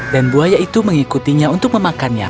dan buaya itu mengikutinya untuk memakannya